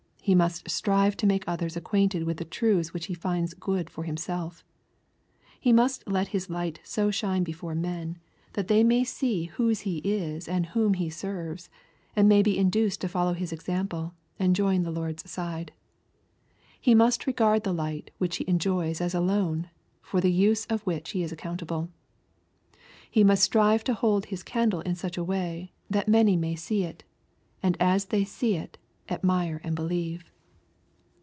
He must strive to make others acquainted . with the truths which he finds good for himself. He must let his light so shine before men, that they may see 38 EXPOSITORY THOUGHTS. whose he is and whom he seiTes, and may be induced to follow his example, and join the Lord's side. He must regard the light which he enjoys as a loan, for the use of which he is accountable. He must strive to hold his candle in such a way, that many may see it, and as ihey see it, admire and believe.